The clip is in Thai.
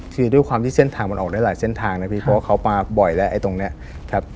คือด้วยความที่เส้นทางมันออกได้หลายเส้นทางนะพี่เพราะว่าเขามาบ่อยแล้วไอ้ตรงเนี้ยครับ